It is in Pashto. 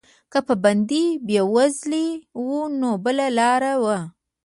که به بندي بېوزلی و نو بله لاره وه.